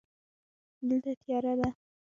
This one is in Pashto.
دلته تیاره ده.